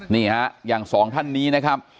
นี่ฮะอย่างสองท่านนี้นะครับ